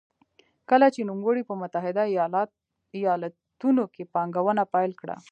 کله چې نوموړي په متحده ایالتونو کې پانګونه پیل کړه.